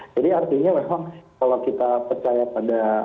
artinya memang kalau kita percaya pada